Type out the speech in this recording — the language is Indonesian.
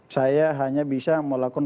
saya hanya bisa melakukan